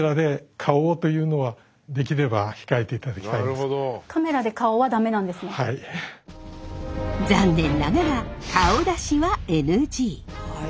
しかし。残念ながら顔出しはＮＧ。